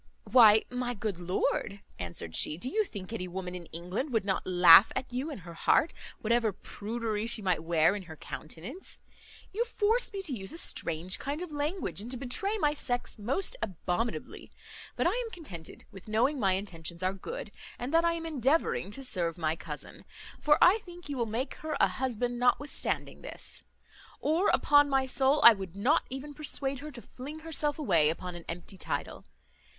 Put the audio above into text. "Why, my good lord," answered she, "do you think any woman in England would not laugh at you in her heart, whatever prudery she might wear in her countenance? You force me to use a strange kind of language, and to betray my sex most abominably; but I am contented with knowing my intentions are good, and that I am endeavouring to serve my cousin; for I think you will make her a husband notwithstanding this; or, upon my soul, I would not even persuade her to fling herself away upon an empty title.